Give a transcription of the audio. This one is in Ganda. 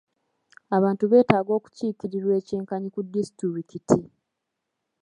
Abantu betaaga okukiikirirwa eky'enkanyi ku disiturikiti .